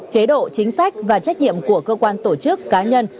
chế độ chính sách và trách nhiệm của cơ quan tổ chức cá nhân